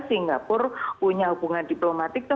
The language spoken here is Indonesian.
singapura punya hubungan diplomatik